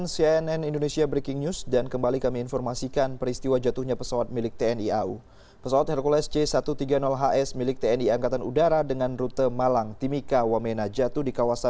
cnn indonesia breaking news